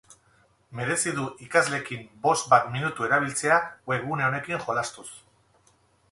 Merezi du ikasleekin bost bat minutu erabiltzea webgune honekin jolastuz.